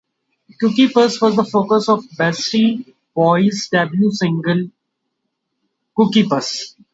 Cookie Puss was the focus of the Beastie Boys' debut single, "Cooky Puss".